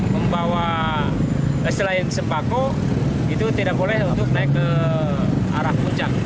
membawa selain sembako itu tidak boleh untuk naik ke arah puncak